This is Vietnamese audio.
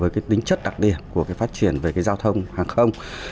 cái tính chất đặc điểm của phát triển về giao thông hàng không